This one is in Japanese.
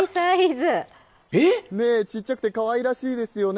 えっ？ねぇ、ちっちゃくてかわいらしいですよね。